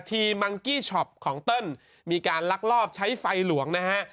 มังกี้ช็อปของเติ้ลมีการลักลอบใช้ไฟหลวงนะฮะ